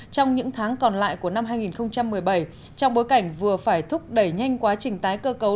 trong những tháng còn lại của năm hai nghìn một mươi bảy trong bối cảnh vừa phải thúc đẩy nhanh quá trình tái cơ cấu